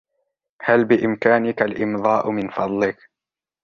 هل بإمكانك الإمضاء من فضلك ؟